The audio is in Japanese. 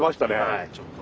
はいちょっと。